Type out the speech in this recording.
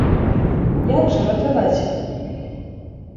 Як жа ратаваць іх?